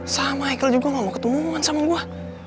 sama michael juga gak mau ketemuan sama gue